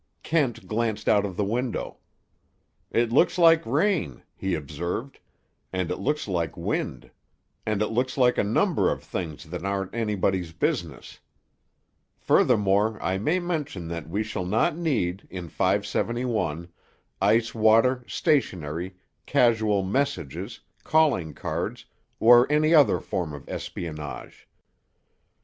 Kent glanced out of the window. "It looks like rain," he observed, "and it looks like wind. And it looks like a number of things that are anybody's business. Furthermore, I may mention that we shall not need, in 571, ice water, stationery, casual messages, calling cards, or any other form of espionage."